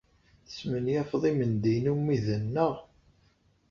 Tesmenyafeḍ imendiyen ummiden, naɣ?